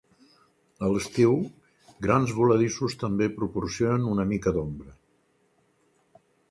A l'estiu, grans voladissos també proporcionen una mica d'ombra.